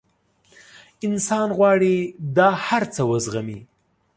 انسان غواړي دا هر څه وزغمي.